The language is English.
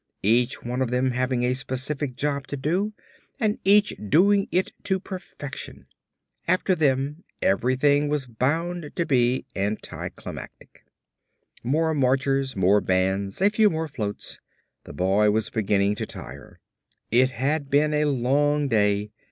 Each one of them having a specific job to do and each doing it to perfection. After them everything was bound to be anticlimactic. More marchers, more bands, a few more floats. The boy was beginning to tire. It had been a long day.